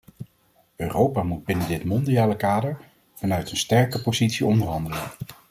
Europa moet binnen dit mondiale kader vanuit een sterke positie onderhandelen.